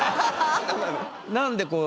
何でこう